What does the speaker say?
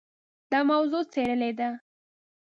دا موضوع څېړلې ده.